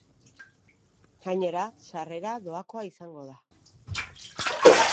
Gainera, sarrera doakoa izango da.